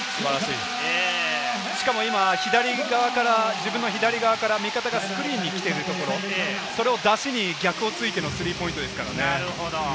しかも今、自分の左側から味方がスクリーンに来てるところ、それをだしに逆をついてのスリーポイントですからね。